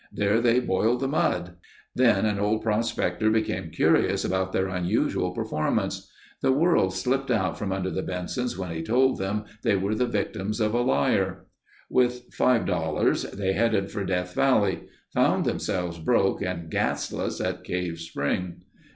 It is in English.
There they boiled the mud. Then an old prospector became curious about their unusual performance. The world slipped out from under the Bensons when he told them they were the victims of a liar. With $5.00 they headed for Death Valley; found themselves broke and gasless at Cave Spring.